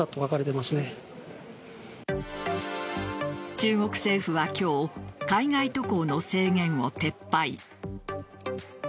中国政府は今日海外渡航の制限を撤廃。